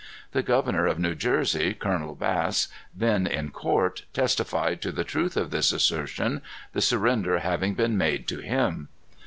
The governor of New Jersey, Colonel Bass, then in court, testified to the truth of this assertion, the surrender having been made to him.